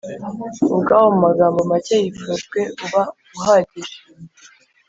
ubwawo mu magambo make yifujwe uba uhagije